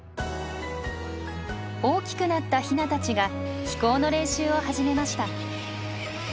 大きくなったヒナたちが飛行の練習を始めました。